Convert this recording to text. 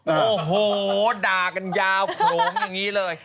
โอ้โหด่ากันยาวโขลงอย่างนี้เลย